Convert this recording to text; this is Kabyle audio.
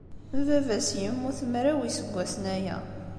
Baba-s yemmut mraw n yiseggasen aya.